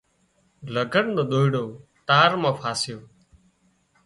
لگھڙ نو ۮوئيڙو تار مان ڦاسيو